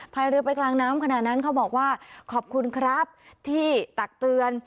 พายเรือไปกลางน้ำขนาดนั้นเขาบอกว่าขอบคุณครับที่ตักเตือน